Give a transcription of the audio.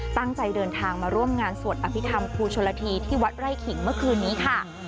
ตั้งใจเดินทางมาร่วมงานสวดอภิษฐรรมครูชนละทีที่วัดไร่ขิงเมื่อคืนนี้ค่ะ